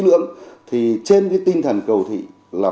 lưỡng thì trên cái tinh thần cầu thị là